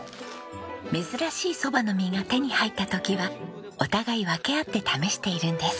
珍しい蕎麦の実が手に入った時はお互い分け合って試しているんです。